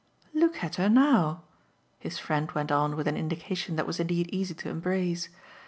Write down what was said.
"Look at her now," his friend went on with an indication that was indeed easy to embrace.